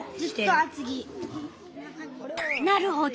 なるほど。